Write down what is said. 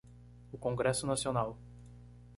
O congresso nacional.